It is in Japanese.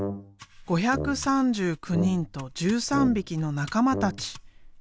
５３９人と１３びきの仲間たち。